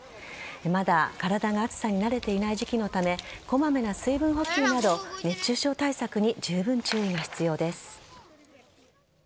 まだ体が暑さに慣れていない時期のためこまめな水分補給など熱中症対策にじゅうぶん注意が必要です。